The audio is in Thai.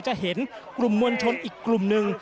จะเห็นกลุ่มมวลชนอีกกลุ่มหนึ่ง